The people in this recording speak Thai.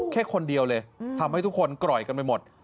แค่คนเดียวเลยทำให้ทุกคนกร่อยกันไปหมด